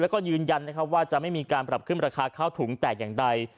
แล้วก็ยืนยันนะครับว่าจะไม่มีการปรับขึ้นราคาข้าวถุงแต่อย่างใด